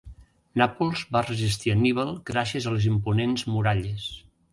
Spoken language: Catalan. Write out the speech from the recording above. Nàpols va resistir Anníbal gràcies a les imponents muralles.